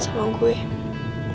udah mau bawa gue ke rumah sakit